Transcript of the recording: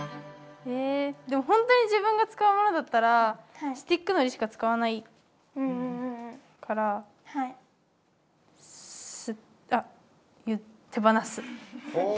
でも本当に自分が使う物だったらスティックのりしか使わないからあっ手放す。